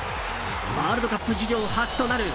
ワールドカップ史上初となる